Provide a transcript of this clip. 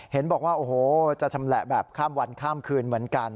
เห็นบอกว่าโอ้โหจะชำแหละแบบข้ามวันข้ามคืนเหมือนกัน